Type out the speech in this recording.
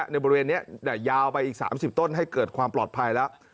บริเวณนี้ยาวไปอีก๓๐ต้นให้เกิดความปลอดภัยแล้ว